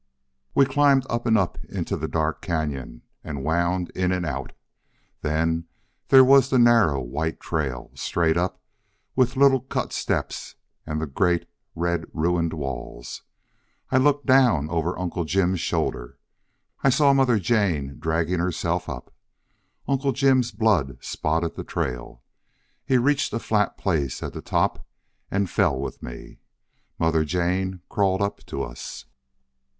"We climbed up and up and into dark cañon and wound in and out. Then there was the narrow white trail, straight up, with the little cut steps and the great, red, ruined walls. I looked down over Uncle Jim's shoulder. I saw Mother Jane dragging herself up. Uncle Jim's blood spotted the trail. He reached a flat place at the top and fell with me. Mother Jane crawled up to us.